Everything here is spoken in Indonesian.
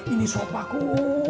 ini sopak kum